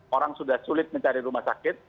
orang sudah sulit mencari rumah sakit